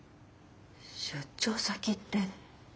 出張先って。